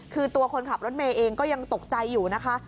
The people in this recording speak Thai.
คือตัวคนขับรถเมย์เองก็ยังตกใจอยู่นะคะ